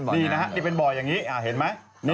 ดีนะฮะนี่เป็นเบาะอย่างนี้เห็นมะ